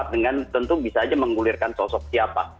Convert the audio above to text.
dengan tentu bisa saja menggulirkan sosok siapa